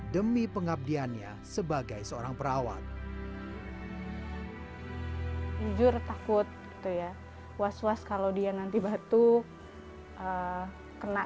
demi pengabdiannya sebagai seorang perawat jujur takut itu ya was was kalau dia nanti batuk kena